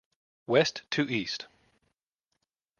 "West to East"